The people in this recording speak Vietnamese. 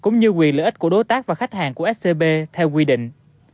cũng như quyền lợi ích của đối tác và khách hàng của scb theo quy định